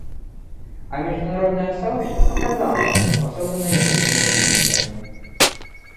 А международное сообщество показало, что способно на решительные действия.